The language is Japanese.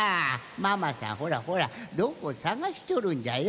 ママさんほらほらどこさがしとるんじゃよ。